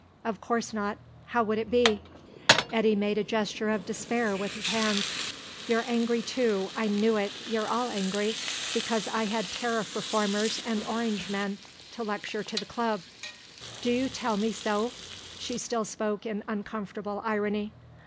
Of course not; how would it be?" Eddy made a gesture of despair with his hands. "You're angry too. I knew it. You're all angry, because I had Tariff Reformers and Orangemen to lecture to the Club." "D'you tell me so?" She still spoke in uncomfortable irony.